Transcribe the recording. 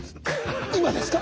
今ですか？